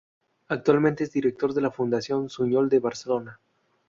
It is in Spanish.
Actualmente es director de la Fundación Suñol de Barcelona.